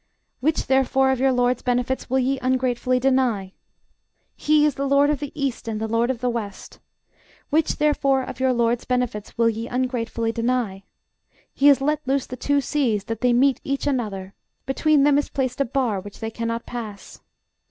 Which, therefore, of your LORD'S benefits will ye ungratefully deny? He is the LORD of the east, and the LORD of the west. Which, therefore, of your LORD'S benefits will ye ungratefully deny? He hath let loose the two seas, that they meet each another: between them is placed a bar which they cannot pass.